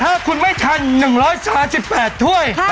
ถ้าคุณไม่ทัน๑๓๘ถ้วย